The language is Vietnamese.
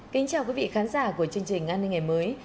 kính chào quý vị khán giả của chương trình an ninh ngày mới